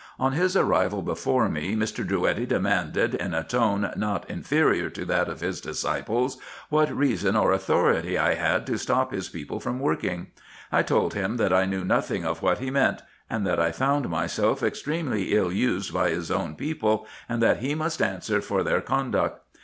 On his arrival before me, Mr. Drouetti demanded, in a tone not inferior to that of his disciples, what reason or authority I had to stop his people from working. I told him that I knew nothing of what he meant, and that I found myself extremely ill used by his own people, and that he must answer for their conduct.